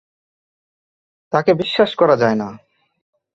তাকে বিশ্বাস করা যায় না।